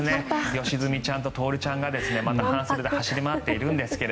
良純ちゃんと徹ちゃんがまた半袖で走り回っているんですが。